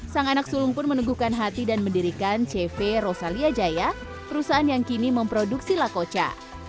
sang anak sulung pun meneguhkan hati dan mendirikan cv rosalia jaya perusahaan yang kini memproduksi lakoca